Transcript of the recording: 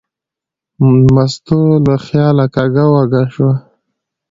مستو له خیاله کږه وږه شوه.